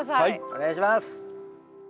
お願いします。